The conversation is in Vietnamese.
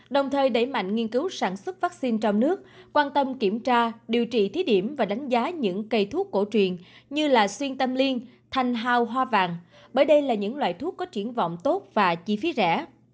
đồng thời đẩy mạnh nghiên cứu sản xuất vaccine trong nước quan tâm kiểm tra điều trị thí điểm và đánh giá những cây thuốc cổ truyền như là xuyên tâm liên thành hào hoa vàng bởi đây là những loại thuốc có triển vọng tốt và chi phí rẻ